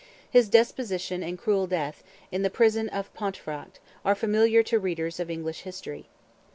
His deposition and cruel death, in the prison of Pontefract, are familiar to readers of English history.